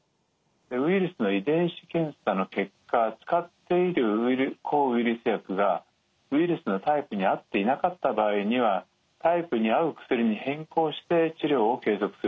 ウイルスの遺伝子検査の結果使っている抗ウイルス薬がウイルスのタイプに合っていなかった場合にはタイプに合う薬に変更して治療を継続するんですね。